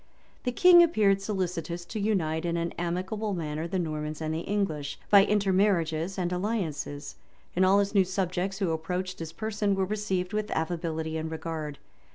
The king appeared solicitous to unite in an amicable manner the Normans and the English, by intermarriages and alliances; and all his new subjects who approached his person were received with affability and regard.